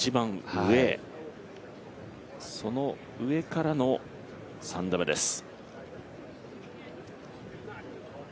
その上からの３打目です。